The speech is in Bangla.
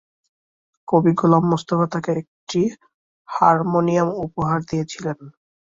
কবি গোলাম মোস্তফা তাকে একটি হারমোনিয়াম উপহার দিয়েছিলেন।